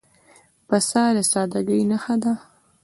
پسه د سادګۍ نښه ده.